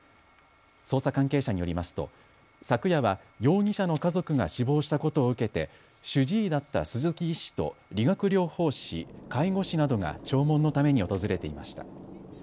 捜査関係者によりますと昨夜は容疑者の家族が死亡したことを受けて主治医だった鈴木医師と理学療法士、介護士などが弔問のために訪れていました。